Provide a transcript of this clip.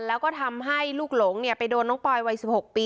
แล้วก็ทำให้ลูกหลงเนี่ยไปโดนน้องปอยวัยสิบหกปี